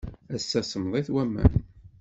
Ass-a, semmḍit waman.